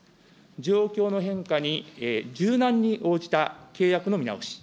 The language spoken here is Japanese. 状況の変化に柔軟に応じた契約の見直し。